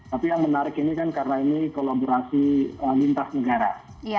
tapi yang menarik ini kan karena ini kolaborasi lintas negara